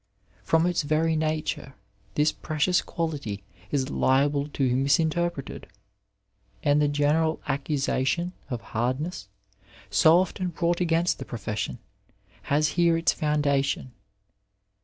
From its very nature this precious quality is liable to be misinterpreted, and the general accusation of hardness, so often brought against the profession, has here its founda tion.